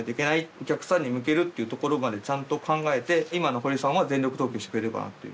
お客さんに向けるっていうところまでちゃんと考えて今の堀さんは全力投球してくれてるかなっていう。